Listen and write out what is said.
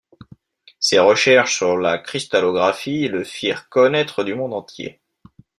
Ses recherches sur la cristallographie le firent connaître du monde entier.